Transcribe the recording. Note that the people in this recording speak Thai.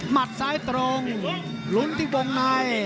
มัดซ้ายตรงลุ้มทางวงใน